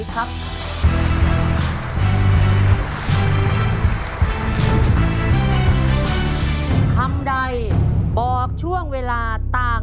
ตัวเลือดที่๓๕๑